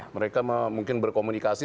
mereka mungkin berkomunikasi